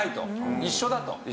一緒だと。